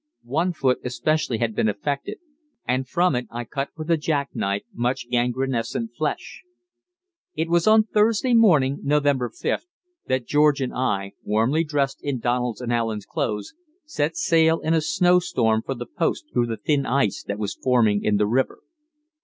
One foot especially had been affected, and from it I cut with a jack knife much gangrenescent flesh. It was on Thursday morning, November 5th, that George and I, warmly dressed in Donald's and Allen's clothes, set sail in a snowstorm for the post through the thin ice that was forming in the river.